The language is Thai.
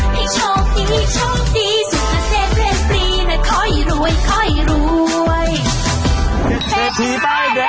เพชรพฤษฐีไปแดน